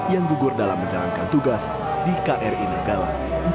yang gugur dalam menjalankan tugas di kri nanggala empat ratus dua